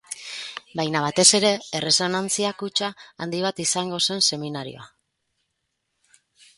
Baina batez ere, erresonantzia kutxa handi bat izango zen seminarioa.